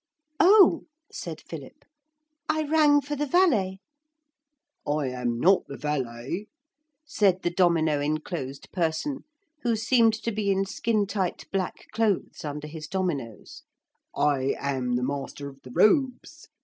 'Oh!' said Philip, 'I rang for the valet.' 'I am not the valet,' said the domino enclosed person, who seemed to be in skintight black clothes under his dominoes, 'I am the Master of the Robes.